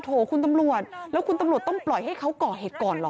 โหคุณตำรวจแล้วคุณตำรวจต้องปล่อยให้เขาก่อเหตุก่อนเหรอ